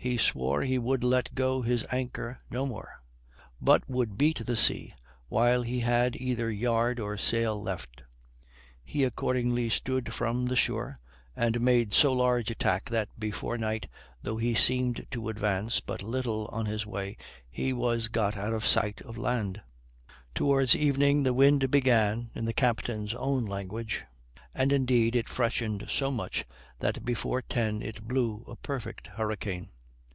He swore he would let go his anchor no more, but would beat the sea while he had either yard or sail left. He accordingly stood from the shore, and made so large a tack that before night, though he seemed to advance but little on his way, he was got out of sight of land. Towards evening the wind began, in the captain's own language, and indeed it freshened so much, that before ten it blew a perfect hurricane.